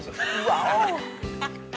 ◆ワオ。